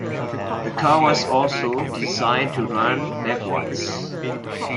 The car was also designed to run backwards.